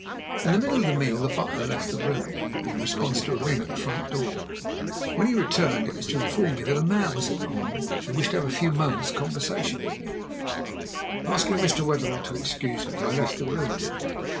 In the middle of the meal the butler left the room, in response to a ring at the front door. When he returned, it was to inform me that a man was in the hall, who wished to have a few moments' conversation with me. Asking Mr. Wetherell to excuse me, I left the room.